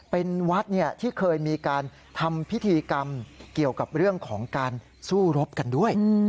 เป็นวัดที่เคยมีการทำพิธีกรรมเกี่ยวกับเรื่องของการสู้รบกันด้วย